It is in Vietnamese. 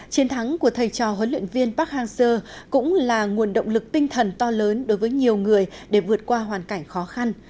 chiến thắng của thầy trò huấn luyện viên park hang seo cũng là nguồn động lực tinh thần to lớn đối với nhiều người để vượt qua hoàn cảnh khó khăn